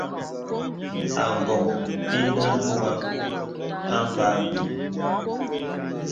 Àgòŋ inə mbugaŋ a mbâbə́.